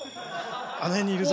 あの辺にいるぞ。